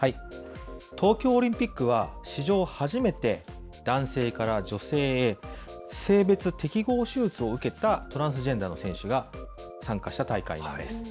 東京オリンピックは、史上初めて男性から女性へ性別適合手術を受けたトランスジェンダーの選手が参加した大会なんです。